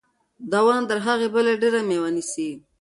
دا ونه تر هغې بلې ډېره مېوه نیسي.